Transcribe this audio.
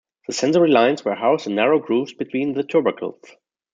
The sensory-lines were housed in narrow grooves between the tubercles.